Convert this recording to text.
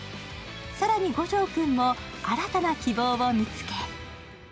更に五条君も新たな希望を見つけ。